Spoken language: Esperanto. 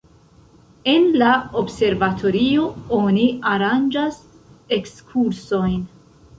En la observatorio oni aranĝas ekskursojn.